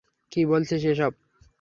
কি বলছিস এসব!